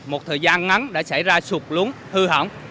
một thời gian ngắn đã xảy ra sụt lún hư hỏng